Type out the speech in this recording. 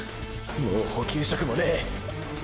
もう補給食もねェ！！